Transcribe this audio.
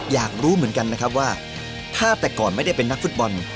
อยากรู้เหมือนกันนะครับว่าถ้าแต่ก่อนไม่ได้เป็นนักฟุตบอล